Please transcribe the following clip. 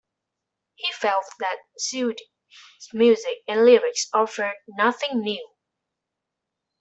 He felt that Suede's music and lyrics offered nothing new.